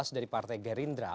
dari partai gerindra